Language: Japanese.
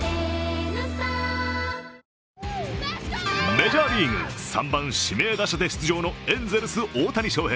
メジャーリーグ、３番・指名打者で出場のエンゼルス・大谷翔平。